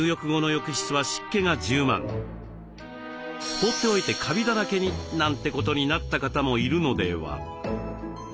放っておいてカビだらけになんてことになった方もいるのでは？